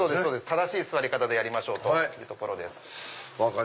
正しい座り方でやりましょうというところです。